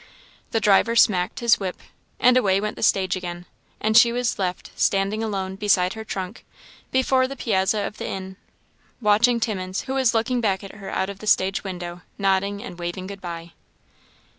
The driver smacked his whip, and away went the stage again, and she was left, standing alone, beside her trunk, before the piazza of the inn, watching Timmins, who was looking back at her out of the stage window, nodding and waving good bye.